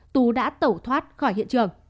tú đã tẩu thoát khỏi hiện trường